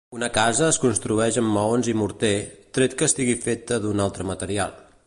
Una casa es construeix amb maons i morter, tret que estigui feta d'un altre material.